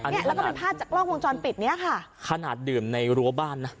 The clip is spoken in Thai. เนี่ยแล้วก็เป็นภาพจากกล้องวงจรปิดเนี้ยค่ะขนาดดื่มในรั้วบ้านนะ